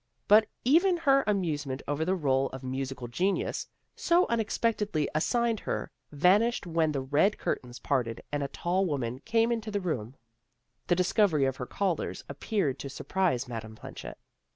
But even her amusement over the role of a musical genius, so unexpectedly as 310 THE GIRLS OF FRIENDLY TERRACE signed her, .vanished when the red curtains parted and a tall woman came into the room. The discovery of her callers appeared to surprise Madame Planchet.